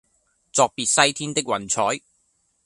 作別西天的雲彩